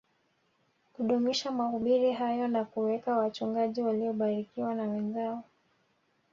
kudumisha mahubiri hayo kwa kuweka wachungaji waliobarikiwa na wenzao